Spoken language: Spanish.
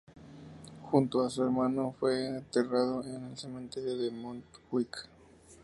Junto a su hermano, fue enterrado en el cementerio de Montjuic.